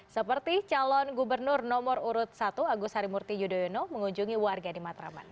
seperti calon gubernur nomor urut satu agus harimurti yudhoyono mengunjungi warga di matraman